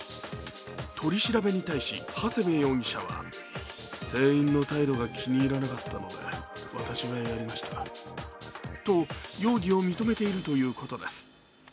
取り調べに対しハセベ容疑者はと容疑を認めているということです。